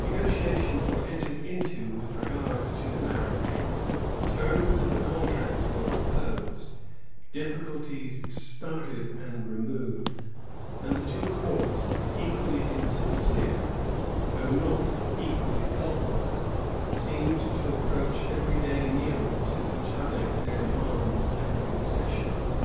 Negotiations were entered into with regard to the marriage; terms of the contract were proposed; difficulties started and removed; and the two courts, equally insincere, though not equally culpable, seemed to approach every day nearer to each other in their demands and concessions.